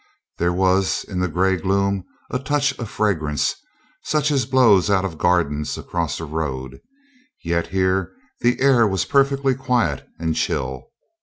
There was in the gray gloom a touch of fragrance such as blows out of gardens across a road; yet here the air was perfectly quiet and chill.